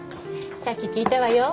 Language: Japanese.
さっき聞いたわよ。